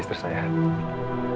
jadi harus saya yang mengurus itu semua